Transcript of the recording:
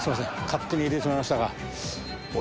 勝手に入れてしまいましたが。